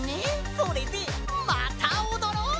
それでまたおどろう！